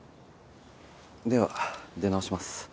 では出直します。